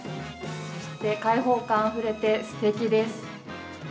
そして開放感あふれてすてきです。